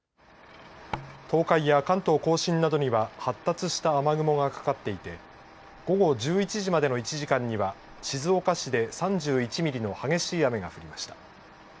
東海や関東甲信などには発達した雨雲がかかっていて午後１１時までの１時間には静岡市で３１ミリの激しい雨が降りました。